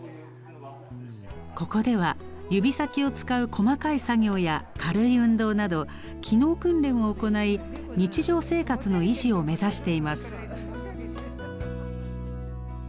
ここでは指先を使う細かい作業や軽い運動など機能訓練を行い日常生活の維持を目指しています。